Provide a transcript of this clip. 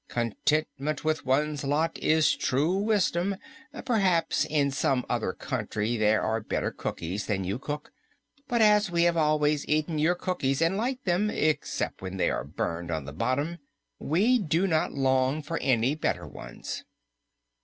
Contentment with one's lot is true wisdom. Perhaps in some other country there are better cookies than you cook, but as we have always eaten your cookies and liked them except when they are burned on the bottom we do not long for any better ones."